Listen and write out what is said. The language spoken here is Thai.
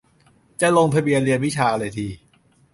จะลงทะเบียนเรียนวิชาอะไรดี